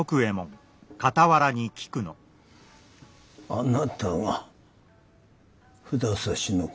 あなたが札差の株を？